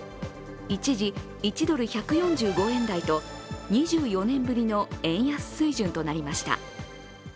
一時１ドル＝１４５円台と２４年ぶりの円安水準となりました。